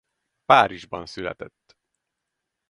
Párizsban született.